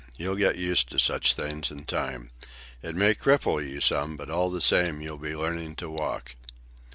You'll get used to such things in time. It may cripple you some, but all the same you'll be learning to walk.